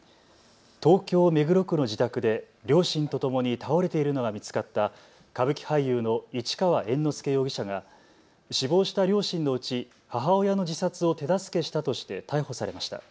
東京目黒区の自宅で両親とともに倒れているのが見つかった歌舞伎俳優の市川猿之助容疑者が死亡した両親のうち母親の自殺を手助けしたとして逮捕されました。